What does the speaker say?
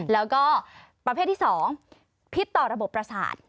แล้วก็ประเภทที่๒พิษต่อระบบประสาท